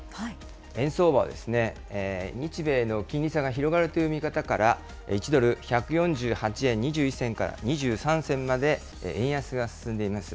円相場は、日米の金利差が広がるという見方から、１ドル１４８円２１銭から２３銭まで、円安が進んでいます。